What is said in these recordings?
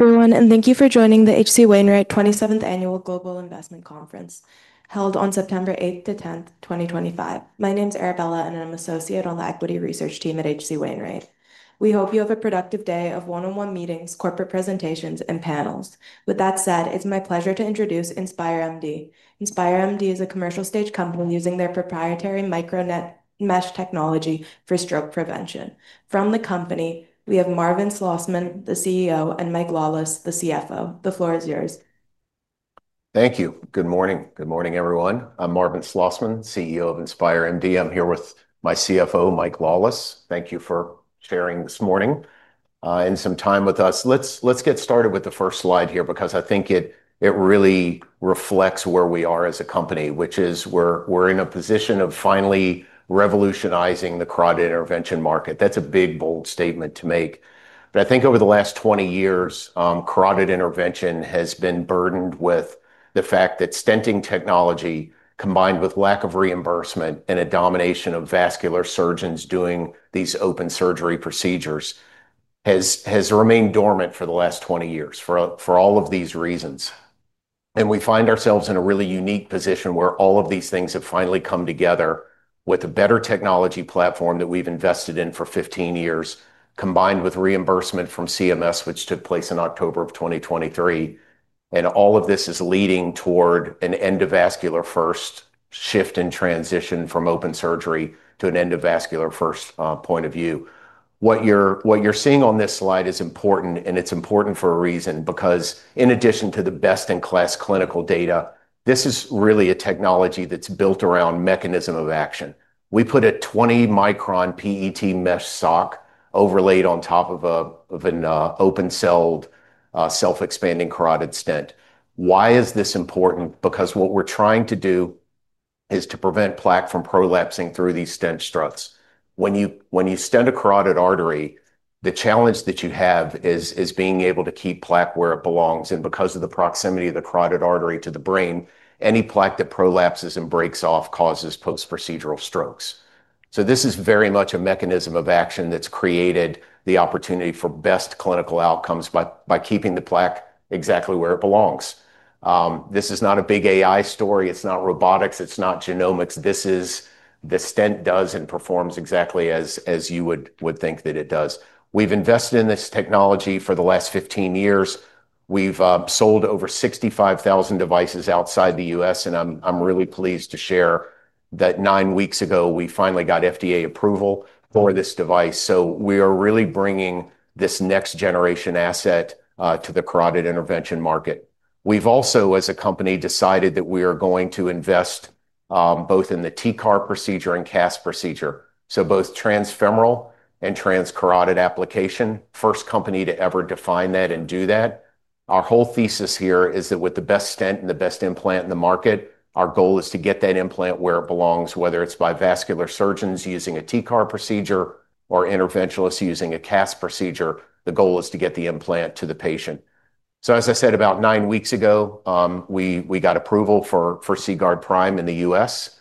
Everyone, and thank you for joining the HC Wainwright 27th Annual Global Investment Conference held on September 8th to 10th, 2025. My name is Arabella, and I'm an Associate on the Equity Research Team at HC Wainwright. We hope you have a productive day of one-on-one meetings, corporate presentations, and panels. With that said, it's my pleasure to introduce InspireMD. InspireMD is a commercial-stage company using their proprietary MicroNet® technology for stroke prevention. From the company, we have Marvin Slosman, the CEO, and Michael Lawless, the CFO. The floor is yours. Thank you. Good morning. Good morning, everyone. I'm Marvin Slosman, CEO of InspireMD. I'm here with my CFO, Michael Lawless. Thank you for sharing this morning and some time with us. Let's get started with the first slide here because I think it really reflects where we are as a company, which is we're in a position of finally revolutionizing the carotid intervention market. That's a big, bold statement to make. I think over the last 20 years, carotid intervention has been burdened with the fact that stenting technology, combined with lack of reimbursement and a domination of vascular surgeons doing these open surgery procedures, has remained dormant for the last 20 years for all of these reasons. We find ourselves in a really unique position where all of these things have finally come together with a better technology platform that we've invested in for 15 years, combined with reimbursement from CMS, which took place in October of 2023. All of this is leading toward an endovascular-first shift in transition from open surgery to an endovascular-first point of view. What you're seeing on this slide is important, and it's important for a reason because in addition to the best-in-class clinical data, this is really a technology that's built around mechanism of action. We put a 20-micron PET mesh sock overlaid on top of an open celled self-expanding carotid stent. Why is this important? What we're trying to do is to prevent plaque from prolapsing through these stent struts. When you stent a carotid artery, the challenge that you have is being able to keep plaque where it belongs. Because of the proximity of the carotid artery to the brain, any plaque that prolapses and breaks off causes post-procedural strokes. This is very much a mechanism of action that's created the opportunity for best clinical outcomes by keeping the plaque exactly where it belongs. This is not a big AI story. It's not robotics. It's not genomics. This is the stent does and performs exactly as you would think that it does. We've invested in this technology for the last 15 years. We've sold over 65,000 devices outside the United States, and I'm really pleased to share that nine weeks ago, we finally got FDA approval for this device. We are really bringing this next-generation asset to the carotid intervention market. We've also, as a company, decided that we are going to invest both in the TCAR procedure and CAS procedure. Both transfemoral and transcarotid application, first company to ever define that and do that. Our whole thesis here is that with the best stent and the best implant in the market, our goal is to get that implant where it belongs, whether it's by vascular surgeons using a TCAR procedure or interventionalists using a CAS procedure. The goal is to get the implant to the patient. As I said, about nine weeks ago, we got approval for CGuard™ Prime in the U.S.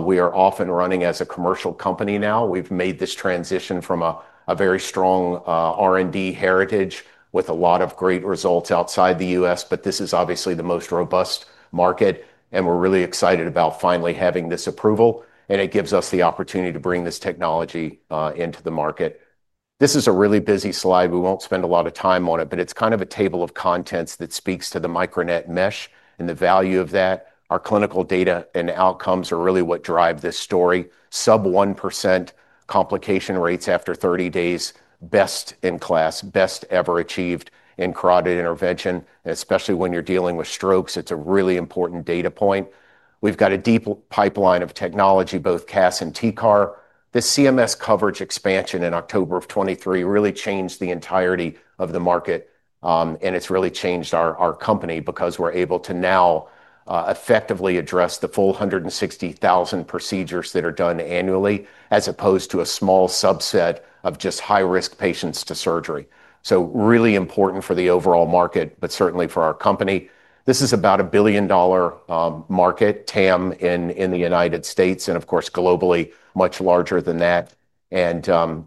We are off and running as a commercial company now. We've made this transition from a very strong R&D heritage with a lot of great results outside the U.S., but this is obviously the most robust market, and we're really excited about finally having this approval. It gives us the opportunity to bring this technology into the market. This is a really busy slide. We won't spend a lot of time on it, but it's kind of a table of contents that speaks to the micro mesh and the value of that. Our clinical data and outcomes are really what drive this story. Sub-1% complication rates after 30 days, best in class, best ever achieved in carotid intervention, especially when you're dealing with strokes. It's a really important data point. We've got a deep pipeline of technology, both CAS and TCAR. The CMS coverage expansion in October of 2023 really changed the entirety of the market, and it's really changed our company because we're able to now effectively address the full 160,000 procedures that are done annually, as opposed to a small subset of just high-risk patients to surgery. Really important for the overall market, but certainly for our company. This is about a $1 billion market, TAM in the United States, and of course, globally, much larger than that.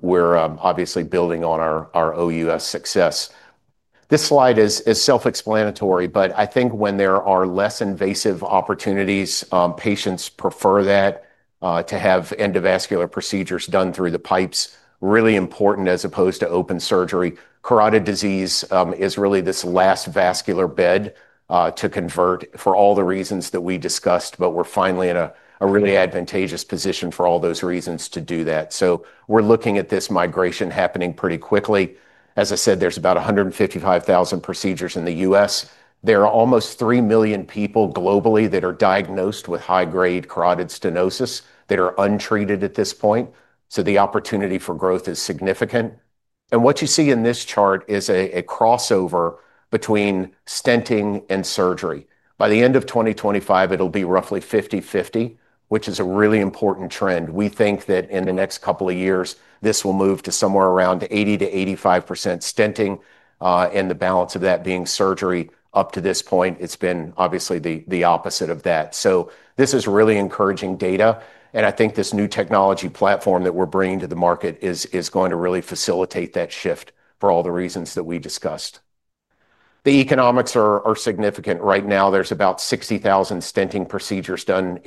We're obviously building on our OUS success. This slide is self-explanatory, but I think when there are less invasive opportunities, patients prefer that to have endovascular procedures done through the pipes, really important as opposed to open surgery. Carotid disease is really this last vascular bed to convert for all the reasons that we discussed, but we're finally in a really advantageous position for all those reasons to do that. We're looking at this migration happening pretty quickly. As I said, there's about 155,000 procedures in the U.S. There are almost 3 million people globally that are diagnosed with high-grade carotid stenosis that are untreated at this point. The opportunity for growth is significant. What you see in this chart is a crossover between stenting and surgery. By the end of 2025, it'll be roughly 50-50, which is a really important trend. We think that in the next couple of years, this will move to somewhere around 80-85% stenting, and the balance of that being surgery. Up to this point, it's been obviously the opposite of that. This is really encouraging data. I think this new technology platform that we're bringing to the market is going to really facilitate that shift for all the reasons that we discussed. The economics are significant. Right now, there's about 60,000 stenting procedures done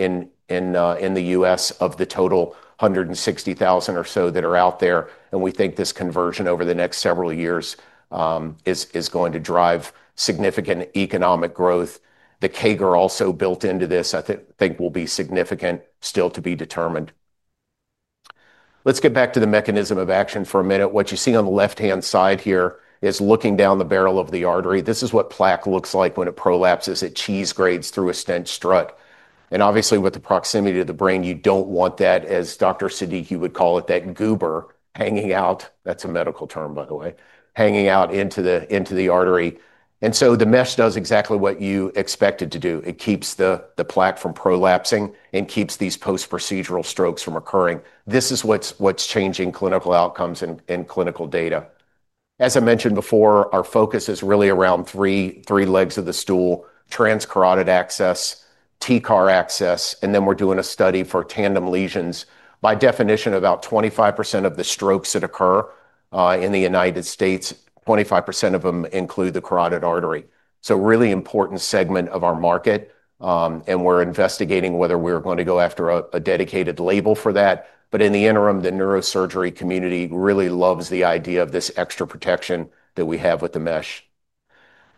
in the U.S. of the total 160,000 or so that are out there. We think this conversion over the next several years is going to drive significant economic growth. The CAGR also built into this, I think, will be significant, still to be determined. Let's get back to the mechanism of action for a minute. What you see on the left-hand side here is looking down the barrel of the artery. This is what plaque looks like when it prolapses; it cheese grades through a stent strut. Obviously, with the proximity to the brain, you don't want that, as Dr. Siddiqui would call it, that goober hanging out. That's a medical term, by the way, hanging out into the artery. The mesh does exactly what you expect it to do. It keeps the plaque from prolapsing and keeps these post-procedural strokes from occurring. This is what's changing clinical outcomes and clinical data. As I mentioned before, our focus is really around three legs of the stool: transcarotid access, TCAR access, and then we're doing a study for tandem lesions. By definition, about 25% of the strokes that occur in the United States, 25% of them include the carotid artery. A really important segment of our market. We're investigating whether we're going to go after a dedicated label for that. In the interim, the neurosurgery community really loves the idea of this extra protection that we have with the mesh.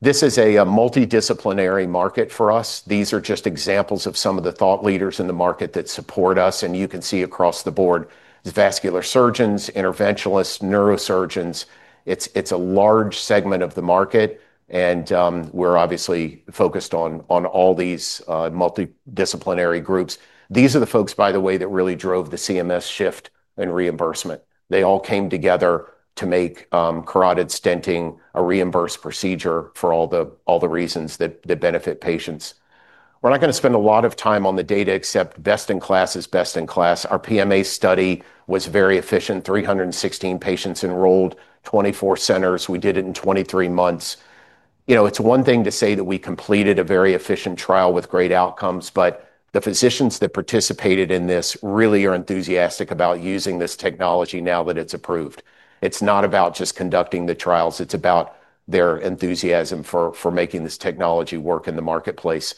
This is a multidisciplinary market for us. These are just examples of some of the thought leaders in the market that support us. You can see across the board: vascular surgeons, interventionalists, neurosurgeons. It's a large segment of the market. We're obviously focused on all these multidisciplinary groups. These are the folks, by the way, that really drove the CMS shift and reimbursement. They all came together to make carotid stenting a reimbursed procedure for all the reasons that benefit patients. We're not going to spend a lot of time on the data except best in class is best in class. Our PMA study was very efficient: 316 patients enrolled, 24 centers. We did it in 23 months. It's one thing to say that we completed a very efficient trial with great outcomes, but the physicians that participated in this really are enthusiastic about using this technology now that it's approved. It's not about just conducting the trials; it's about their enthusiasm for making this technology work in the marketplace.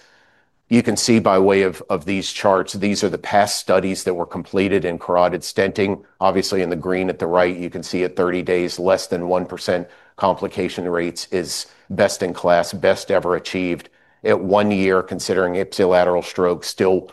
You can see by way of these charts, these are the past studies that were completed in carotid stenting. Obviously, in the green at the right, you can see at 30 days, less than 1% complication rates is best in class, best ever achieved. At one year, considering ipsilateral stroke, still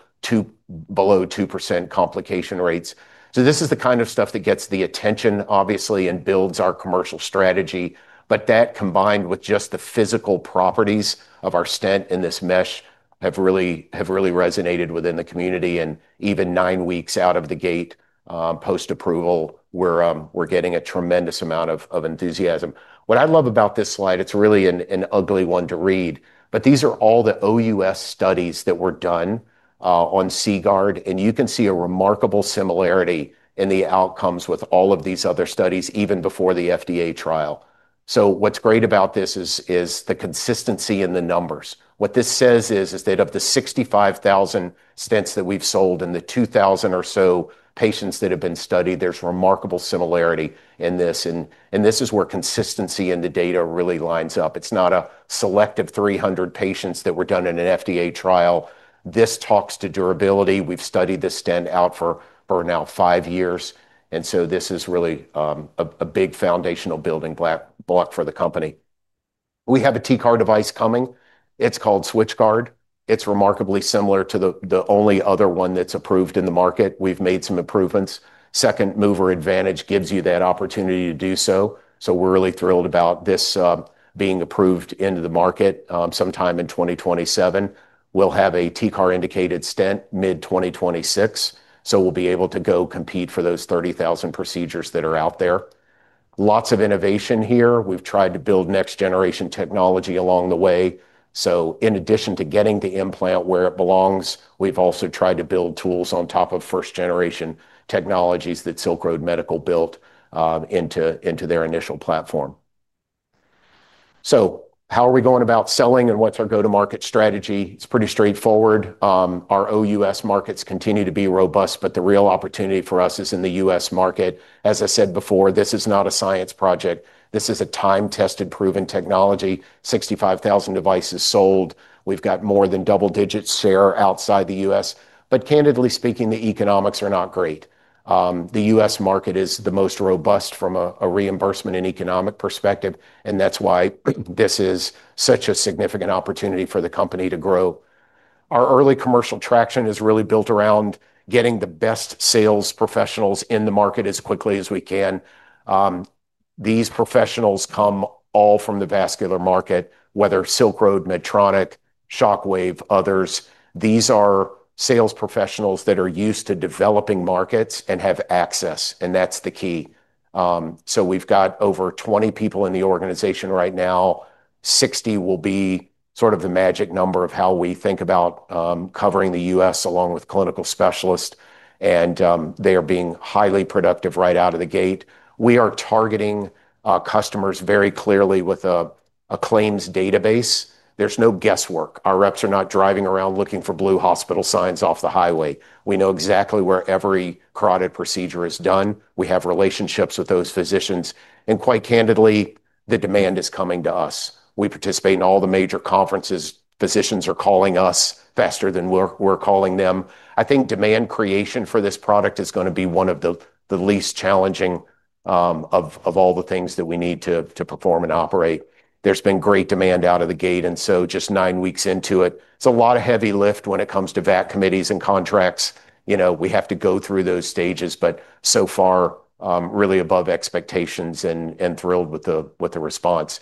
below 2% complication rates. This is the kind of stuff that gets the attention, obviously, and builds our commercial strategy. That, combined with just the physical properties of our stent and this mesh, have really resonated within the community. Even nine weeks out of the gate post-approval, we're getting a tremendous amount of enthusiasm. What I love about this slide, it's really an ugly one to read, but these are all the OUS studies that were done on CGuard™, and you can see a remarkable similarity in the outcomes with all of these other studies, even before the FDA trial. What's great about this is the consistency in the numbers. What this says is that of the 65,000 stents that we've sold and the 2,000 or so patients that have been studied, there's remarkable similarity in this. This is where consistency in the data really lines up. It's not a select of 300 patients that were done in an FDA trial. This talks to durability. We've studied this stent out for now five years. This is really a big foundational building block for the company. We have a TCAR device coming. It's called SwitchGuard. It's remarkably similar to the only other one that's approved in the market. We've made some improvements. Second mover advantage gives you that opportunity to do so. We're really thrilled about this being approved into the market sometime in 2027. We'll have a TCAR-indicated stent mid-2026. We'll be able to go compete for those 30,000 procedures that are out there. Lots of innovation here. We've tried to build next-generation technology along the way. In addition to getting the implant where it belongs, we've also tried to build tools on top of first-generation technologies that Silk Road Medical built into their initial platform. How are we going about selling and what's our go-to-market strategy? It's pretty straightforward. Our OUS markets continue to be robust, but the real opportunity for us is in the U.S. market. As I said before, this is not a science project. This is a time-tested, proven technology. 65,000 devices sold. We've got more than double-digit share outside the U.S., but candidly speaking, the economics are not great. The U.S. market is the most robust from a reimbursement and economic perspective, and that's why this is such a significant opportunity for the company to grow. Our early commercial traction is really built around getting the best sales professionals in the market as quickly as we can. These professionals come all from the vascular market, whether Silk Road Medical, Medtronic, Shockwave Medical, others. These are sales professionals that are used to developing markets and have access, and that's the key. We've got over 20 people in the organization right now. 60 will be sort of the magic number of how we think about covering the U.S. along with clinical specialists, and they are being highly productive right out of the gate. We are targeting customers very clearly with a claims database. There's no guesswork. Our reps are not driving around looking for blue hospital signs off the highway. We know exactly where every carotid procedure is done. We have relationships with those physicians. Quite candidly, the demand is coming to us. We participate in all the major conferences. Physicians are calling us faster than we're calling them. I think demand creation for this product is going to be one of the least challenging of all the things that we need to perform and operate. There's been great demand out of the gate, and just nine weeks into it, it's a lot of heavy lift when it comes to VAC committees and contracts. We have to go through those stages, but so far, really above expectations and thrilled with the response.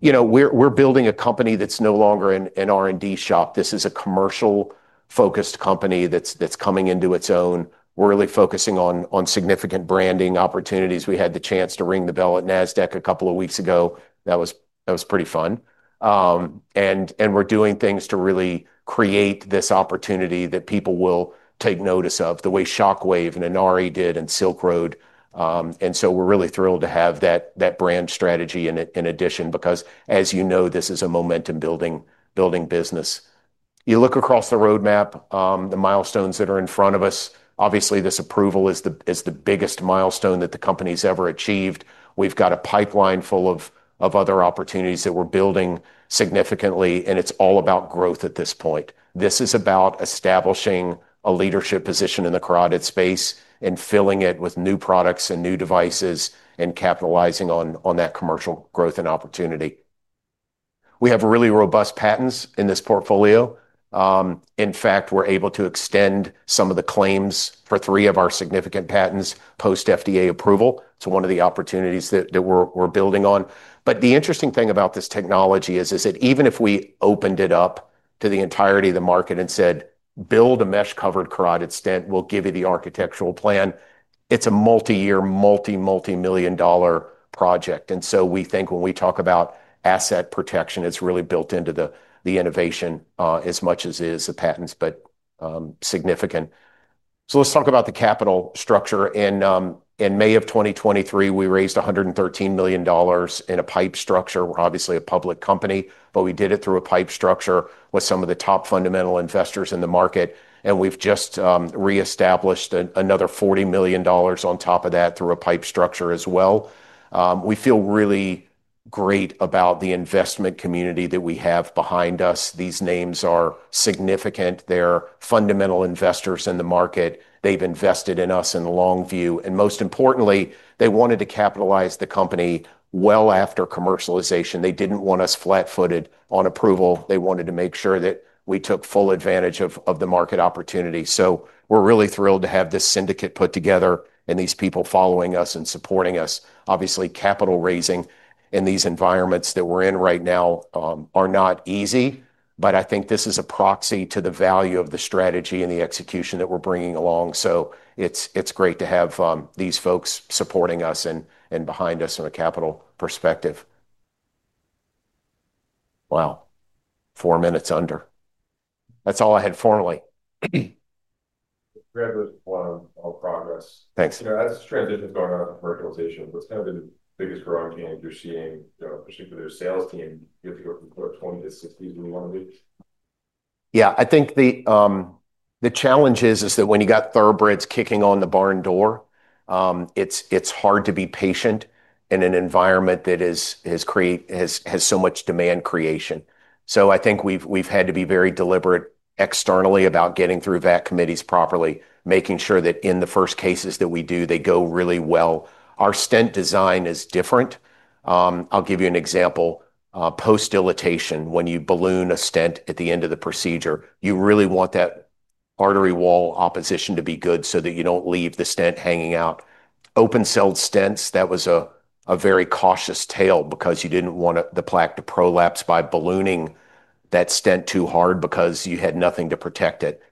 We're building a company that's no longer an R&D shop. This is a commercial-focused company that's coming into its own. We're really focusing on significant branding opportunities. We had the chance to ring the bell at Nasdaq a couple of weeks ago. That was pretty fun. We are doing things to really create this opportunity that people will take notice of, the way Shockwave and Inari did and Silk Road. We are really thrilled to have that brand strategy in addition because, as you know, this is a momentum-building business. You look across the roadmap, the milestones that are in front of us. Obviously, this approval is the biggest milestone that the company's ever achieved. We have a pipeline full of other opportunities that we are building significantly, and it's all about growth at this point. This is about establishing a leadership position in the carotid space and filling it with new products and new devices and capitalizing on that commercial growth and opportunity. We have really robust patents in this portfolio. In fact, we are able to extend some of the claims for three of our significant patents post-FDA approval. It is one of the opportunities that we are building on. The interesting thing about this technology is that even if we opened it up to the entirety of the market and said, "Build a mesh-covered carotid stent, we'll give you the architectural plan," it's a multi-year, multi, multimillion-dollar project. We think when we talk about asset protection, it's really built into the innovation as much as it is the patents, but significant. Let's talk about the capital structure. In May of 2023, we raised $113 million in a PIPE structure. We are obviously a public company, but we did it through a PIPE structure with some of the top fundamental investors in the market. We have just reestablished another $40 million on top of that through a PIPE structure as well. We feel really great about the investment community that we have behind us. These names are significant. They are fundamental investors in the market. They have invested in us in the long view. Most importantly, they wanted to capitalize the company well after commercialization. They did not want us flat-footed on approval. They wanted to make sure that we took full advantage of the market opportunity. We are really thrilled to have this syndicate put together and these people following us and supporting us. Obviously, capital raising in these environments that we are in right now is not easy, but I think this is a proxy to the value of the strategy and the execution that we are bringing along. It is great to have these folks supporting us and behind us from a capital perspective. Wow, four minutes under. That's all I had formally. Progress. Thanks. I was just trying to think of our commercialization. What's kind of the biggest growth gap you're seeing? Particularly the sales team, do you think we can perform this as easily as we want to do? Yeah, I think the challenge is that when you got thoroughbreds kicking on the barn door, it's hard to be patient in an environment that has so much demand creation. I think we've had to be very deliberate externally about getting through VAC committees properly, making sure that in the first cases that we do, they go really well. Our stent design is different. I'll give you an example. Post-dilatation, when you balloon a stent at the end of the procedure, you really want that artery wall opposition to be good so that you don't leave the stent hanging out. Open-celled stents, that was a very cautious tale because you didn't want the plaque to prolapse by ballooning that stent too hard because you had nothing to protect it.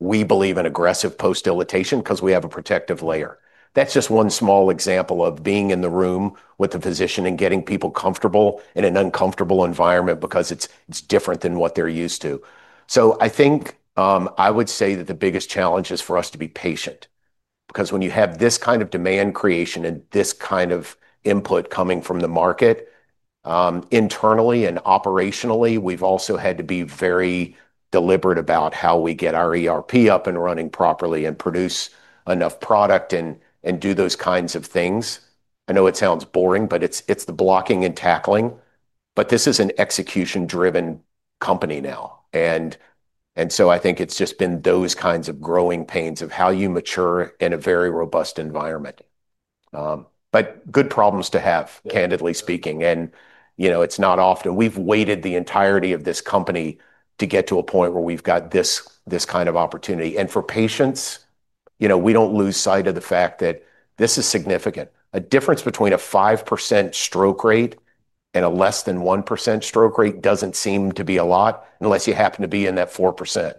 We believe in aggressive post-dilatation because we have a protective layer. That's just one small example of being in the room with the physician and getting people comfortable in an uncomfortable environment because it's different than what they're used to. I think I would say that the biggest challenge is for us to be patient because when you have this kind of demand creation and this kind of input coming from the market, internally and operationally, we've also had to be very deliberate about how we get our ERP up and running properly and produce enough product and do those kinds of things. I know it sounds boring, but it's the blocking and tackling. This is an execution-driven company now. I think it's just been those kinds of growing pains of how you mature in a very robust environment. Good problems to have, candidly speaking. You know, it's not often we've waited the entirety of this company to get to a point where we've got this kind of opportunity. For patients, you know, we don't lose sight of the fact that this is significant. A difference between a 5% stroke rate and a less than 1% stroke rate doesn't seem to be a lot unless you happen to be in that 4%.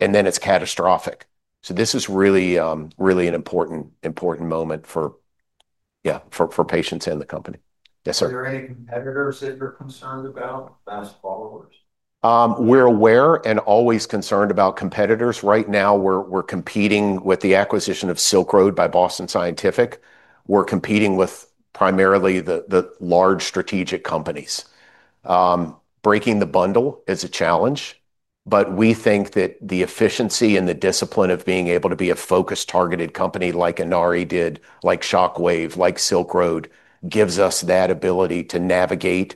Then it's catastrophic. This is really, really an important, important moment for, yeah, for patients and the company. Yes, sir. Are there any competitors that you're concerned about? We're aware and always concerned about competitors. Right now, we're competing with the acquisition of Silk Road Medical by Boston Scientific. We're competing with primarily the large strategic companies. Breaking the bundle is a challenge, but we think that the efficiency and the discipline of being able to be a focused, targeted company like Inari did, like Shockwave Medical, like Silk Road Medical, gives us that ability to navigate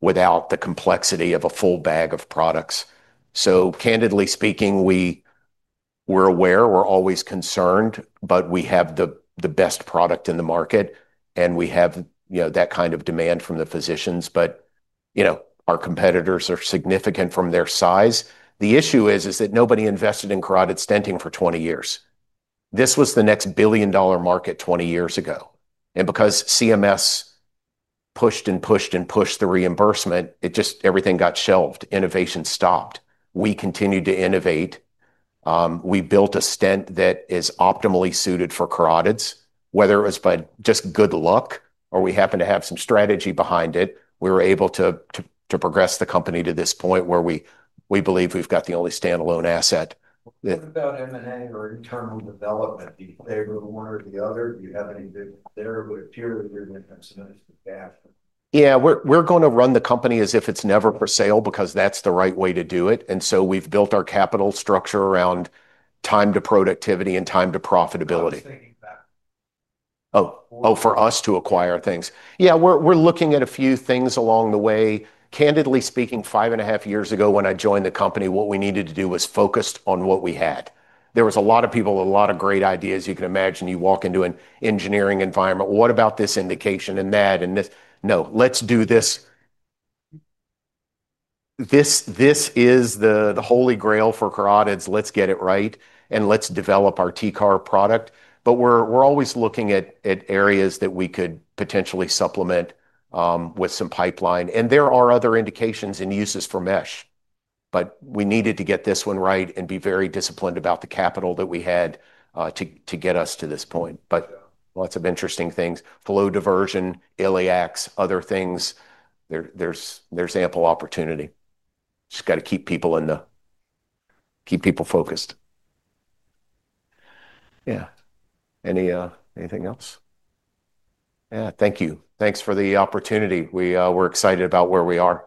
without the complexity of a full bag of products. Candidly speaking, we're aware, we're always concerned, but we have the best product in the market, and we have, you know, that kind of demand from the physicians. Our competitors are significant from their size. The issue is that nobody invested in carotid stenting for 20 years. This was the next billion-dollar market 20 years ago. Because CMS pushed and pushed and pushed the reimbursement, everything got shelved. Innovation stopped. We continued to innovate. We built a stent that is optimally suited for carotids, whether it was by just good luck or we happened to have some strategy behind it. We were able to progress the company to this point where we believe we've got the only standalone asset that. Do you have any data on early terminal development, be it labor of one or the other? Yeah, we're going to run the company as if it's never for sale because that's the right way to do it. We've built our capital structure around time to productivity and time to profitability. For us to acquire things, yeah, we're looking at a few things along the way. Candidly speaking, five and a half years ago when I joined the company, what we needed to do was focus on what we had. There were a lot of people, a lot of great ideas. You can imagine you walk into an engineering environment. What about this indication and that and this? No, let's do this. This is the holy grail for carotids. Let's get it right and let's develop our TCAR product. We're always looking at areas that we could potentially supplement with some pipeline. There are other indications and uses for mesh, but we needed to get this one right and be very disciplined about the capital that we had to get us to this point. Lots of interesting things, flow diversion, iliacs, other things. There's ample opportunity. Just got to keep people focused. Yeah. Anything else? Yeah, thank you. Thanks for the opportunity. We're excited about where we are.